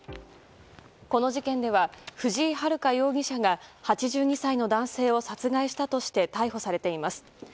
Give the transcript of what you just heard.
この事件では藤井遙容疑者が８２歳の男性を殺害したとして逮捕されています。